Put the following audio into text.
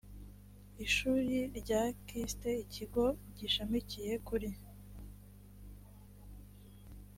ishuri rya kist ikigo gishamikiye kuri